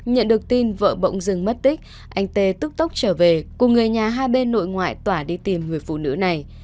nhận được tin vợ bỗng dừng mất tích anh t tức tốc trở về cùng người nhà hai bên nội ngoại tỏa đi tìm người phụ nữ này